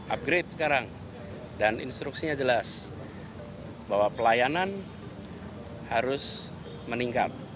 upgrade sekarang dan instruksinya jelas bahwa pelayanan harus meningkat